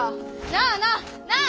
なあなあなあ！